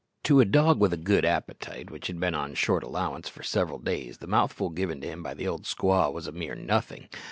To a dog with a good appetite which had been on short allowance for several days, the mouthful given to him by the old squaw was a mere nothing.